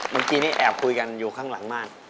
เมื่อกี้นี้แอบคุยกันอยู่ข้างหลังบ้าน